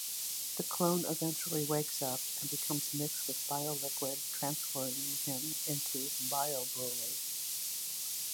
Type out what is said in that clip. The clone eventually wakes up and becomes mixed with bio-liquid, transforming him into Bio-Broly.